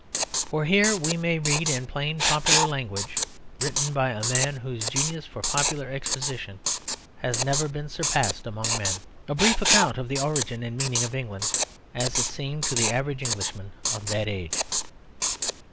For here we may read in plain popular language, written by a man whose genius for popular exposition has never been surpassed among men, a brief account of the origin and meaning of England as it seemed to the average Englishman of that age.